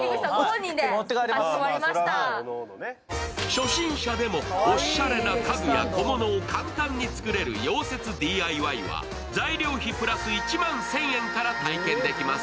初心者でもおしゃれな家具や小物を簡単に作れる溶接ＤＩＹは材料費プラス１万１０００円から体験できます。